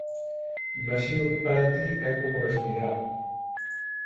Imaxino que para ti é como respirar.